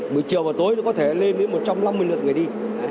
buổi chiều và tối có thể lên đến một trăm năm mươi lượng người đi